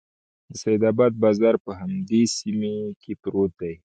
د سیدآباد بازار په همدې سیمه کې پروت دی.